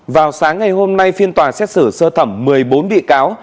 vào sáng ngày hôm nay phiên tòa xét xử sơ thẩm một mươi bốn bị cáo